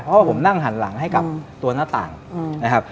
เพราะว่าผมนั่งหันหลังให้กับตัวหน้าต่างนะครับ